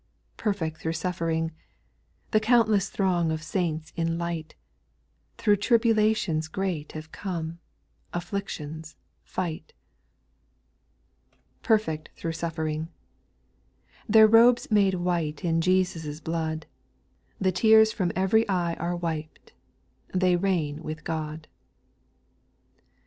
) 5. ■' Perfect through suffering I The countless throng Of saints in light, Through tribulations great have come, Afflictions, fight. J 6. Perfect through suffering I Their robes made white In Jesus' blood, The tears from ev'ry eye are wiped, They reign with God.